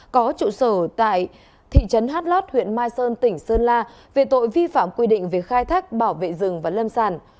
có trụ sở tại thị trấn hát lót huyện mai sơn tỉnh sơn la về tội vi phạm quy định về khai thác bảo vệ rừng và lâm sản